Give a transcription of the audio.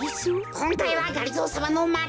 こんかいはがりぞーさまのまけってか！